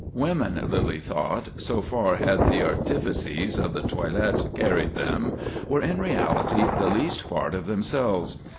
Women, Lyly thought—so far had the artifices of the toilet carried them,—were in reality the least part of themselves.